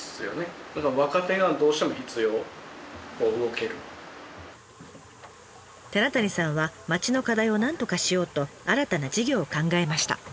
寺谷さんは町の課題をなんとかしようと新たな事業を考えました。